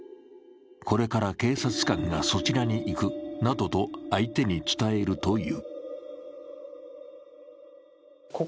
これから警察官がそちらに行くなどと相手に伝えるという。